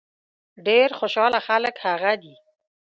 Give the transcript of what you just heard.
ډېر خوشاله خلک هغه دي.